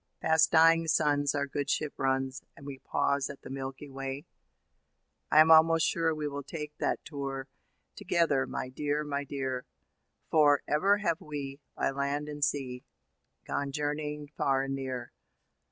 Past dying suns our good ship runs, And we pause at the Milky Way.' I am almost sure we will take that tour Together, my dear, my dear. For, ever have we, by land and sea, Gone journeying far and near.